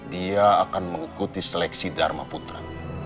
dia akan mengikuti seleksi dharma putra